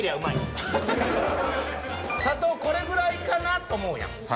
砂糖これぐらいかなと思うやん。